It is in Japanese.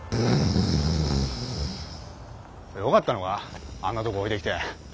よかったのかあんなとこ置いてきて。